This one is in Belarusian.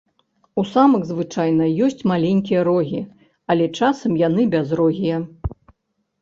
У самак звычайна ёсць маленькія рогі, але часам яны бязрогія.